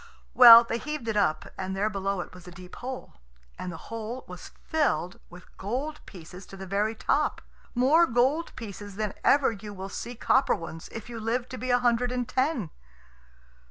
Well, they heaved it up, and there below it was a deep hole, and the hole was filled with gold pieces to the very top; more gold pieces than ever you will see copper ones if you live to be a hundred and ten.